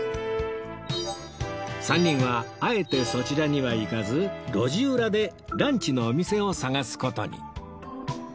３人はあえてそちらには行かず路地裏でランチのお店を探す事に